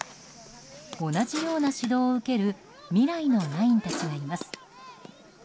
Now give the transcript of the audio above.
同じような指導を受ける未来のナインたちがいます。